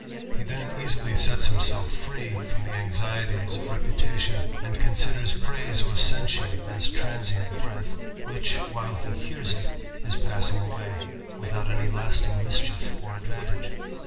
He iben «a«i(y Bets himself free from tbe anxieties of reputation. 196 THE RAMBLER. and considers praise or censure as a transient breath, which, while' he 'iiears*' It, is ""^assmg^away, without any lasting mischief or advantage.